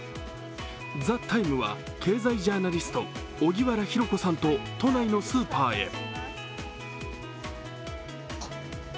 「ＴＨＥＴＩＭＥ，」は経済ジャーナリスト荻原博子さんと都内のスーパーへ。